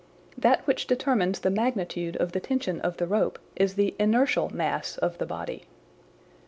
That which determines the magnitude of the tension of the rope is the inertial mass of the body."